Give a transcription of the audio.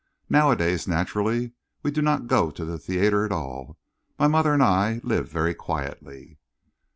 "Nowadays, naturally, we do not go to the theatre at all. My mother and I live very quietly."